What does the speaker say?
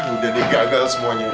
udah deh gagal semuanya